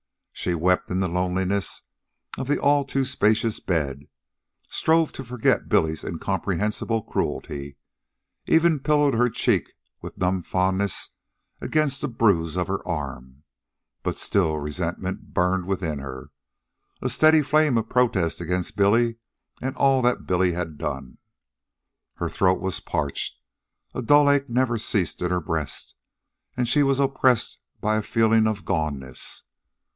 She wept in the loneliness of the all too spacious bed, strove to forget Billy's incomprehensible cruelty, even pillowed her cheek with numb fondness against the bruise of her arm; but still resentment burned within her, a steady flame of protest against Billy and all that Billy had done. Her throat was parched, a dull ache never ceased in her breast, and she was oppressed by a feeling of goneness.